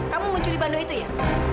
kamu mencuri bando itu ya